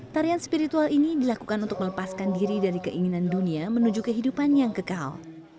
tarian spiritual ini dilakukan untuk melepaskan diri dari keinginan dunia menuju kehidupan yang kekal